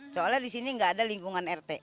soalnya di sini nggak ada lingkungan rt